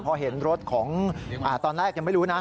พอเห็นรถของตอนแรกยังไม่รู้นะ